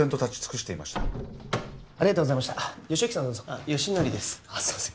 すいません